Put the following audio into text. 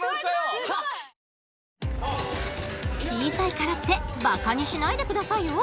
小さいからってばかにしないで下さいよ。